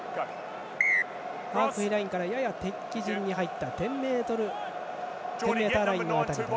ハーフウェーラインからやや敵陣に入った１０ｍライン辺り。